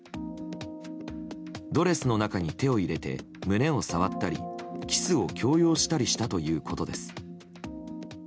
ドレスの中に手を入れて胸を触ったりキスを強要したりしたということです。